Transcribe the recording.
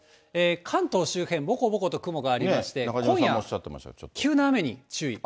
関東周辺、ぼこぼこと雲がありまして、今夜、急な雨に注意。